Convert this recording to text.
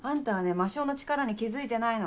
魔性の力に気付いてないの。